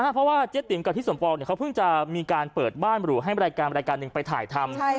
เพราะว่าเจ๊ติ๋มกับทิศสมปองเขาเพิ่งจะมีการเปิดบ้านหรูให้รายการรายการหนึ่งไปถ่ายทำ